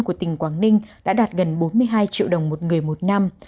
của tỉnh quảng ninh đã đạt gần bốn mươi hai triệu đồng một người một năm